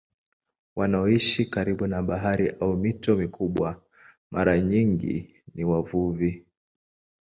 Wanaoishi karibu na bahari au mito mikubwa mara nyingi ni wavuvi.